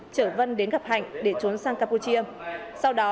chở vân đến gặp hạnh để trốn sang campuchia